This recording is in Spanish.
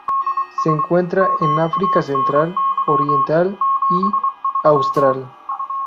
Se encuentran en África central, oriental y austral.